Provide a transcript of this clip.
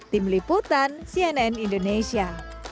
tim liputan cnn indonesia